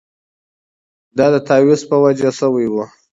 دا د تاویز په وجه شوې وه.